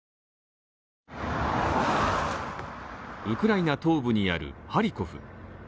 ウクライナ東部にあるハリコフ。